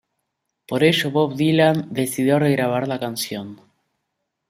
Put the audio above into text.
Por ello Bob Dylan decidió regrabar la canción.